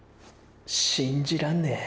信じらんねェ